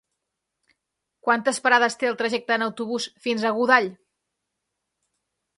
Quantes parades té el trajecte en autobús fins a Godall?